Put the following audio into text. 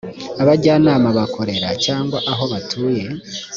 abajyanama bakorera cyangwa aho batuye